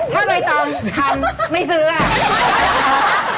ทำไมตอนที่ทำไม่ซื้ออ่ะ